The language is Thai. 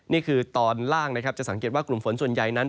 นี่คือตอนล่างนะครับจะสังเกตว่ากลุ่มฝนส่วนใหญ่นั้น